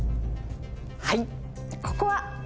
はいここは。